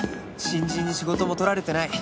新人に仕事も取られてない